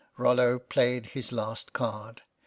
Rollo played his last card.